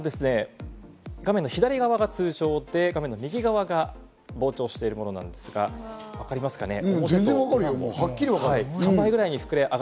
画面の左側が通常で、画面の右側が膨張しているものなんですが、わかりますかね？